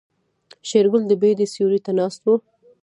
شېرګل د بيدې سيوري ته ناست و.